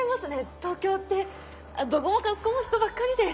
東京ってどごもかすこも人ばっかりで。